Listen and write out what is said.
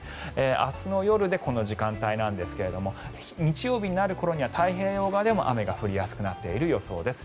明日の夜でこの時間帯なんですが日曜日になる頃には太平洋側でも雨が降りやすくなっている予想です。